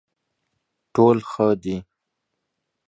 ټول ښه دي.